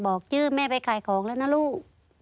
ชื่อแม่ไปขายของแล้วนะลูก